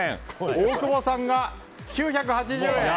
大久保さんが９８０円。